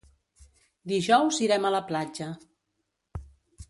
Dijous irem a la platja.